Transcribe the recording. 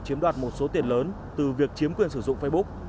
chiếm đoạt một số tiền lớn từ việc chiếm quyền sử dụng facebook